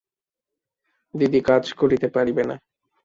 দিদি কাজ করিতে পারিবে না।